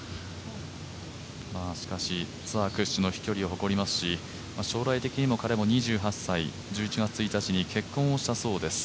ツアー屈指の飛距離を誇りますし、将来的にも彼は２８歳１１月１日に結婚をしたそうです